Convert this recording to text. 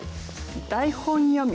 「台本読み」。